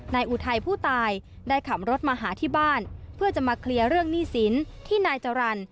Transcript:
อุทัยผู้ตายได้ขับรถมาหาที่บ้านเพื่อจะมาเคลียร์เรื่องหนี้สินที่นายจรรย์